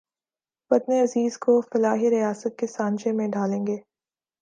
وطن عزیز کو فلاحی ریاست کے سانچے میں ڈھالیں گے